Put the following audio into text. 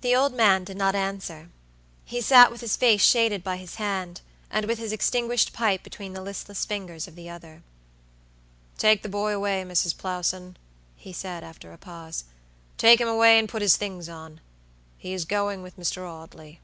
The old man did not answer; he sat with his face shaded by his hand, and with his extinguished pipe between the listless fingers of the other. "Take the boy away, Mrs. Plowson," he said, after a pause; "take him away and put his things on. He is going with Mr. Audley."